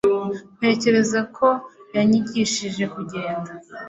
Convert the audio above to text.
ntekereza ko yanyigishije kugenda